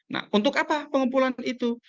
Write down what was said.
nah untuk apa pengumpulan itu